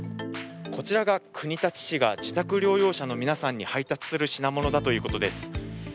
こちらが国立市が自宅療養者の皆さんに配達する品物だということです。